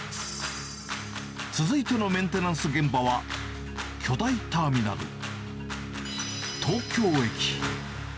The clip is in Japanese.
続いてのメンテナンス現場は、巨大ターミナル、東京駅。